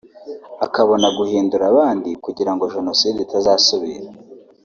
akabona guhindura abandi kugira ngo Jenoside itazasubira